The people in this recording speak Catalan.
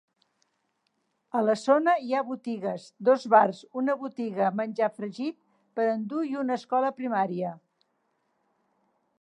A la zona hi ha botigues, dos bars, una botiga menjar fregit per endur i una escola primària.